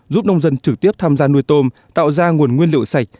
giúp nông dân trực tiếp tham gia nuôi tôm tạo ra nguồn nguyên liệu sạch